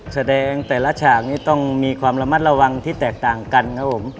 แสดงแต่ละฉากนี้ต้องมีความระมัดระวังที่แตกต่างกันครับผม